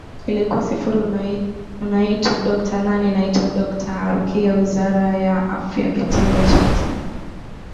ilikuwa sifuri unaitwa dokta nani naitwa dokta rukia wizara ya afya kitengo cha tiba